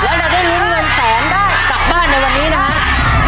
แล้วเราได้ลุ้นเงินแสนได้กลับบ้านในวันนี้นะครับ